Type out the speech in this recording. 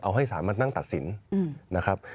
เอาให้สารมานั่งตัดสินนะครับ